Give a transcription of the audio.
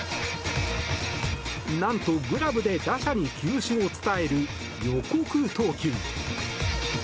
何と、グラブで打者に球種を伝える予告投球。